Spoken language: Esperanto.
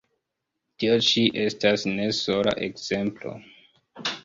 Tio ĉi estas ne sola ekzemplo.